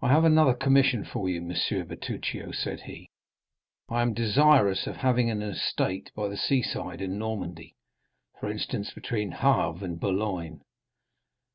"I have another commission for you, M. Bertuccio," said he; "I am desirous of having an estate by the seaside in Normandy—for instance, between Le Havre and Boulogne.